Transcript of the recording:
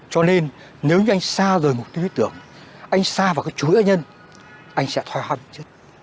cho nên nếu như anh xa rời một tư tưởng anh xa vào các chủ nghĩa nhân anh sẽ thoai hăng chứ